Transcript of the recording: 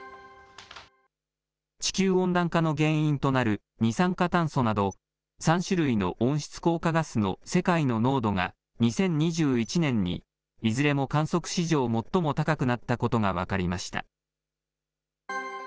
地球温暖化の原因となる二酸化炭素など３種類の温室効果ガスの世界の濃度が、２０２１年にいずれも観測史上最も高くなったことが分かりました。